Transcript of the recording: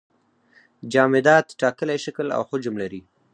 جامدات ټاکلی شکل او حجم لري.